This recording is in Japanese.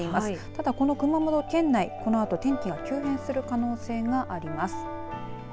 ただ、熊本県内このあと天気の急変がある可能性があります。